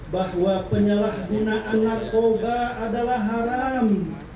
bahwa penyalahgunaan narkoba adalah haram